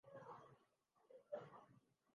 لیکن خان لیاقت علی خان کا کیا قصور تھا؟